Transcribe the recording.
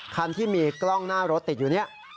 คันที่มีกล้องหน้ารถติดอยู่เนี่ย